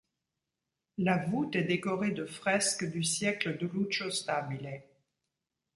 La voûte est décorée de fresques du siècle de Lucio Stabile.